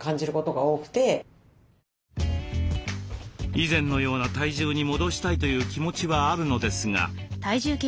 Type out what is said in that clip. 以前のような体重に戻したいという気持ちはあるのですが。